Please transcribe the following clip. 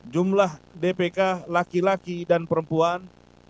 jumlah dptb laki laki dan perempuan tiga puluh delapan ribu satu ratus empat belas